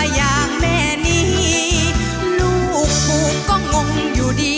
อย่างแม่นี้ลูกผมก็งงอยู่ดี